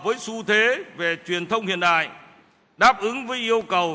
với xu thế về truyền thông hiện đại đáp ứng với yêu cầu